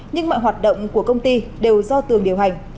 nhưng mọi hoạt động của công ty đều do tường điều hành